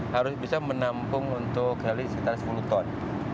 harus bisa menampung untuk heli sekitar sepuluh ton